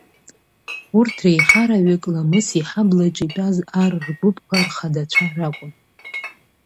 Урҭ реиҳараҩык Ламыс иҳаблаҿ итәаз ар ргәыԥқәа рхадацәа ракәын.